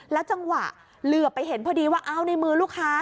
จังหวะเหลือไปเห็นพอดีว่าอ้าวในมือลูกค้า